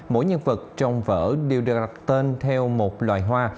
mỗi nhân vật trong vở đều được đặt tên theo một loài hoa